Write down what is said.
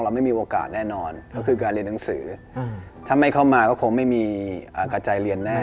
ไม่มีโอกาสแน่นอนก็คือการเรียนหนังสือถ้าไม่เข้ามาก็คงไม่มีกระจายเรียนแน่